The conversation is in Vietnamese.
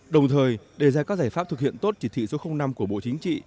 đồng thời đề ra các giải pháp thực hiện tốt chỉ thị số năm của bộ chính trị